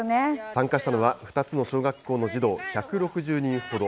参加したのは、２つの小学校の児童１６０人ほど。